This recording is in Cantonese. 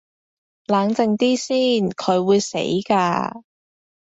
冷靜啲先，佢會死㗎